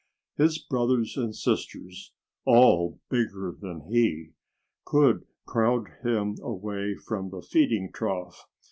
His brothers and sisters (all bigger than he!) could crowd him away from the feeding trough.